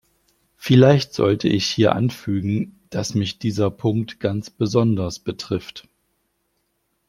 Vielleicht sollte ich hier anfügen, das mich dieser Punkt ganz besonders betrifft.